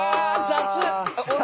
雑。